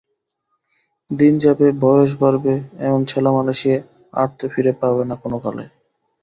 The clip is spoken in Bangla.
দিন যাবে, বয়স বাড়বে, এমন ছেলেমানুষি আর তো ফিরে পাবে না কোনোকালে।